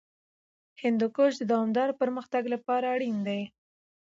هندوکش د دوامداره پرمختګ لپاره اړین دی.